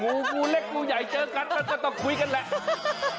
โอ้โหงูเล็กงูใหญ่เจอกันมันก็ต้องคุยกันแหละ